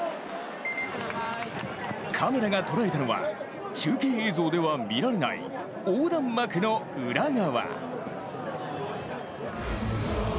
カメラが捉えたのは中継映像では見られない横断幕の裏側。